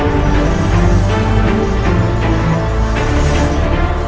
aku masih mau membalaskan rendah